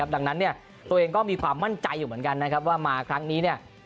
ดังนั้นตัวเองก็มีความมั่นใจอยู่เหมือนกันนะครับว่ามาครั้งนี้